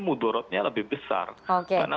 mudorotnya lebih besar karena